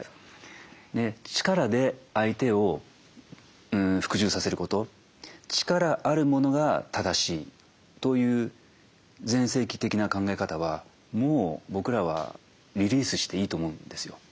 で力で相手を服従させること力あるものが正しいという前世紀的な考え方はもう僕らはリリースしていいと思うんですよ。